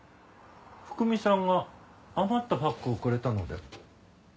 福美さんが余ったパックをくれたので。